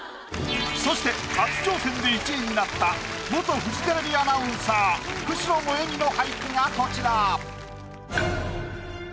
そして初挑戦で１位になった元フジテレビアナウンサー久代萌美の俳句がこちら。